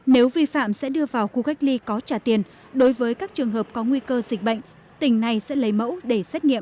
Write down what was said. nếu vi phạm sẽ đưa vào khu cách ly có trả tiền đối với các trường hợp có nguy cơ dịch bệnh tỉnh này sẽ lấy mẫu để xét nghiệm